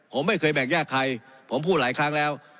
ผมไม่เคยแบ่งแยกใครผมพูดหลายครั้งแล้ว